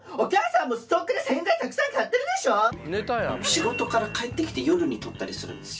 仕事から帰ってきて夜に撮ったりするんですよ。